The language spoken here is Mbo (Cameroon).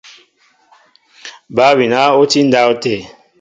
Bal obina oti ndáwte.